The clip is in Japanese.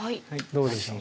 どうでしょう。